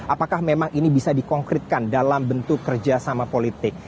apakah memang ini bisa dikonkretkan dalam bentuk kerjasama politik